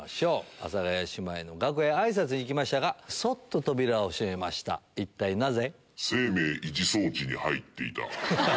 阿佐ヶ谷姉妹の楽屋へあいさつに行きましたがそっと扉を閉めました一体なぜ？